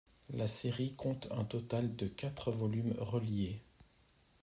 La série compte un total de quatre volumes reliés.